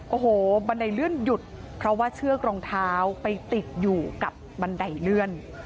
โอ้โหบันไดเลื่อนหยุดเพราะว่าเชือกรองเท้าไปติดอยู่กับบันไดเลื่อน